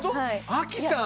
⁉アキさん！